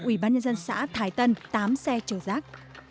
ủy ban nhân dân xã thái tân tám xe chở rác